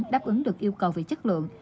đáp ứng được yêu cầu về chất lượng